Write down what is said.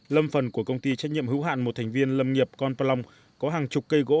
lâm phần của công ty trách nhiệm hữu hạn một thành viên lâm nghiệp con plong có hàng chục cây gỗ